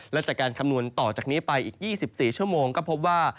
และจากการคำนวณต่อจากนี้ไปอีก๒๔ชั่วโมงก็พบว่า